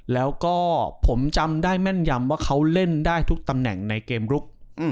แล้วก็ผมจำได้แม่นยำว่าเขาเล่นได้ทุกตำแหน่งในเกมลุก